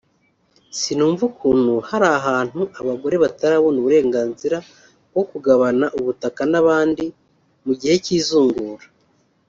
sinumva ukuntu hari ahantu abagore batarabona uburenganzira bwo kugabana ubutaka n’abandi mu gihe cy’izungura